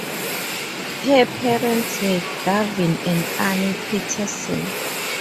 Her parents were Gavin and Annie Paterson.